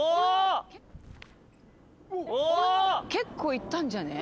結構いったんじゃね？